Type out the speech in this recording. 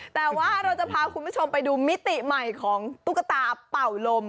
แต่ว่าเราจะพาคุณผู้ชมไปดูมิติใหม่ของตุ๊กตาเป่าลม